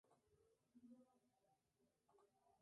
La siguiente semana en "Impact!